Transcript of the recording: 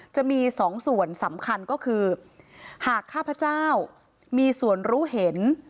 จะมีสองส่วนสำคัญก็คือหากข้าพเจ้ามีส่วนรู้เห็น